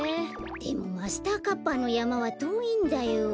でもマスターカッパーのやまはとおいんだよ。